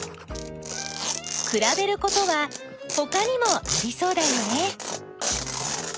くらべることはほかにもありそうだよね！